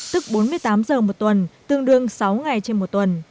tức bốn mươi tám giờ một tuần tương đương sáu ngày trên một tuần